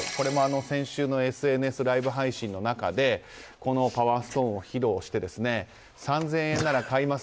先週のＳＮＳライブ配信の中でこのパワーストーンを披露して３０００円なら買います？